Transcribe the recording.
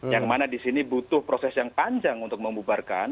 yang mana di sini butuh proses yang panjang untuk membubarkan